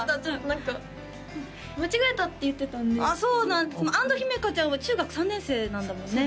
何か間違えたって言ってたんでああそうなんだ安土姫華ちゃんは中学３年生なんだもんね